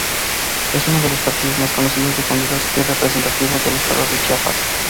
Es uno de los platillos más conocidos, difundidos y representativos del estado de Chiapas.